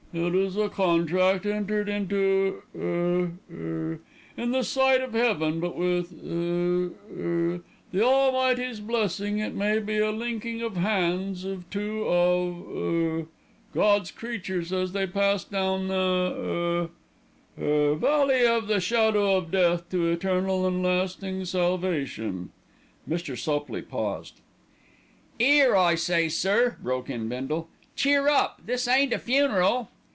It is a contract entered into er er in the sight of heaven; but with er er the Almighty's blessing it may be a linking of hands of two of er God's creatures as they pass down the er er valley of the shadow of death to eternal and lasting salvation." Mr. Sopley paused. "'Ere, I say, sir," broke in Bindle. "Cheer up, this ain't a funeral."